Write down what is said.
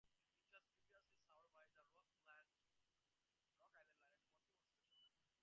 It was previously served by the Rock Island Line at Mossville Station.